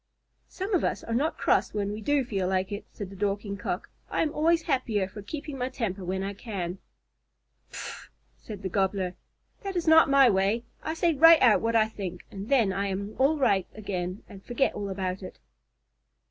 "Some of us are not cross when we do feel like it," said the Dorking Cock. "I am always happier for keeping my temper when I can." "Pffff!" said the Gobbler. "That is not my way. I say right out what I think, and then I am all right again and forget all about it."